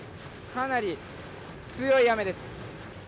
かなり強い雨です。